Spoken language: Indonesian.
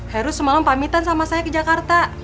heru semalam pamitan sama saya ke jakarta